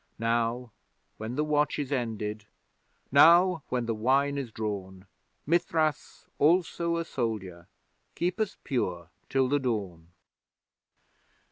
Now when the watch is ended, now when the wine is drawn, Mithras, also a soldier, keep us pure till the dawn!